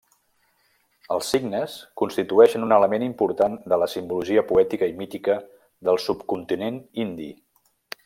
Els cignes constitueixen un element important de la simbologia poètica i mítica del subcontinent indi.